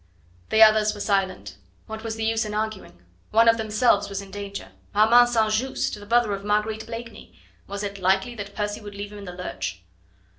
The others were silent. What was the use of arguing? One of themselves was in danger. Armand St. Just, the brother of Marguerite Blakeney! Was it likely that Percy would leave him in the lurch.